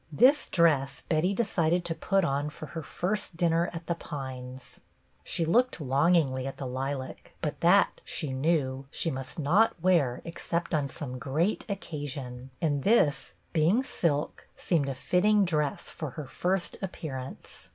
This dress Betty decided to put on for her first dinner at The Pines. She looked longingly at the lilac, but that, she knew, she must not wear except on some great occasion, and this, being silk, seemed a fitting dress for her first appearance.